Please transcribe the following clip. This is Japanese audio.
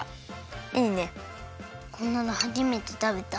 こんなのはじめてたべた。